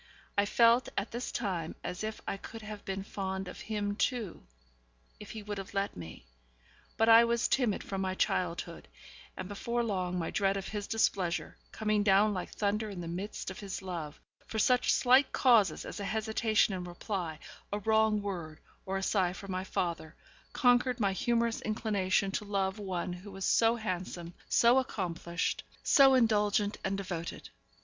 I felt at this time as if I could have been fond of him too, if he would have let me; but I was timid from my childhood, and before long my dread of his displeasure (coming down like thunder into the midst of his love, for such slight causes as a hesitation in reply, a wrong word, or a sigh for my father), conquered my humorous inclination to love one who was so handsome, so accomplished, so indulgent and devoted.